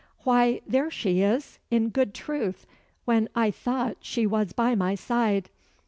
"Why, there she is, in good truth, when I thought she was by my side.